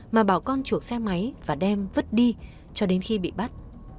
mà bảo con chuộc xe máy và đem vứt đi cho đến khi bị bắt